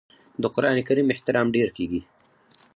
د قران کریم احترام ډیر کیږي.